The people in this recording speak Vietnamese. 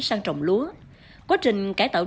sang trồng lúa quá trình cải tạo